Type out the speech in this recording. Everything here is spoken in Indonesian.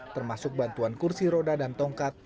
termasuk bantuan kursi roda dan tongkat